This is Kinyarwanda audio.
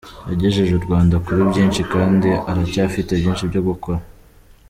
Yagejeje u Rwanda kuri byinshi kandi aracyafite byinshi byo gukora.